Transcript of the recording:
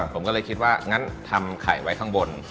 ผมก็เลยคิดว่างั้นทำไข่ไว้ข้างบน